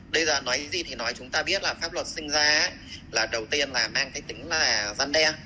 đây là nói gì thì nói chúng ta biết là pháp luật sinh ra là đầu tiên là mang cái tính là dân đe